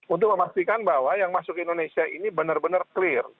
untuk memastikan bahwa yang masuk ke indonesia ini benar benar clear